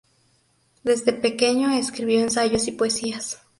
Desde pequeño escribió ensayos y poesías.